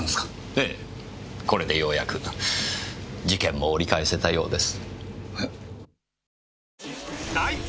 ええこれでようやく事件も折り返せたようです。